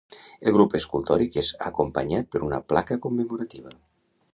El grup escultòric és acompanyat per una placa commemorativa.